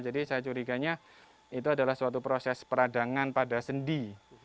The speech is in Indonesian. jadi saya curiganya itu adalah suatu proses peradangan pada sendi